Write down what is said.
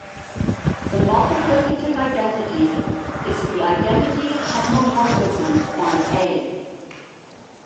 The multiplicative identity is the identity homomorphism on "A".